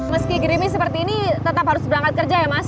meski grimis seperti ini tetap harus berangkat kerja ya mas